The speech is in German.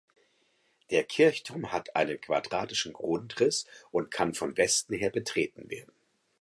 Der Kirchturm hat einen quadratischen Grundriss und kann von Westen her betreten werden.